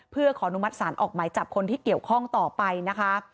เพื่อขออนุมัติศาลออกหมายจับคนที่เกี่ยวข้องต่อไปนะคะ